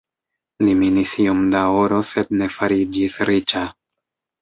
Li minis iom da oro sed ne fariĝis riĉa.